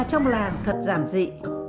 trong làng thật giản dị